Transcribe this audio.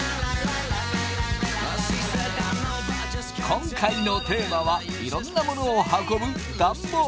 今回のテーマはいろんなものを運ぶ